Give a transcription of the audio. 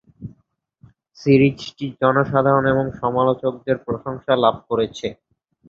সিরিজটি জনসাধারণ এবং সমালোচকদের প্রশংসা লাভ করেছে।